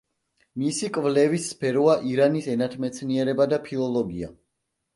მისი კვლევის სფეროა ირანის ენათმეცნიერება და ფილოლოგია.